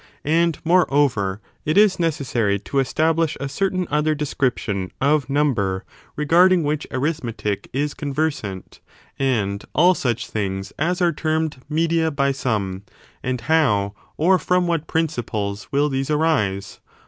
And, more over, it is necessary to establish a certain other description of number, regarding which arithmetic is conversant, and all such things as are termed media by some ; and how, or from what principles, will these arise